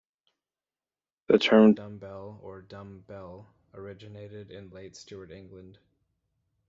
The term "dumbbell" or "dumb bell" originated in late Stuart England.